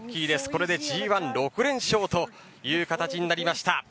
これでＧ１、６連勝という形になりました。